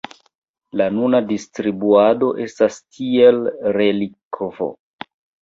La nuna distribuado estas tiele relikvo.